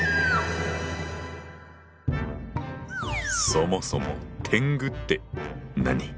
そもそも天狗って何？